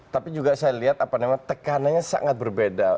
tapi juga saya lihat tekanannya sangat berbeda